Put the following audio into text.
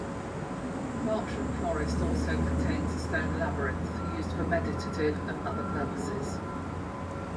Bartram Forest also contains a stone labyrinth, used for meditative and other purposes.